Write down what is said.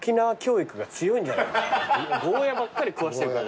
ゴーヤばっかり食わしてるから。